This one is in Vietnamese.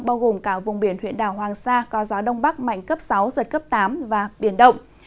bao gồm cả vùng biển huyện đảo hoàng sa có gió đông bắc mạnh cấp sáu giật cấp tám và biển động